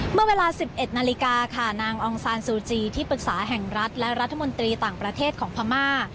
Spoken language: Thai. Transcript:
เมื่อเวลา๑๑นาฬิกาค่ะนางองซานซูจีที่ปรึกษาแห่งรัฐและรัฐมนตรีต่างประเทศของพม่า